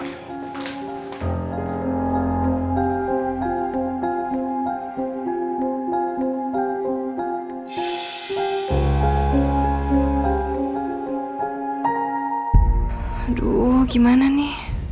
lihatlah ada baju ini